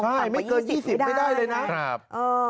ใช่ไม่เกิน๒๐ไม่ได้เลยนะครับเออใช่ไม่เกิน๒๐ไม่ได้เลยนะ